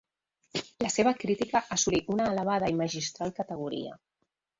La seva crítica assolí una elevada i magistral categoria.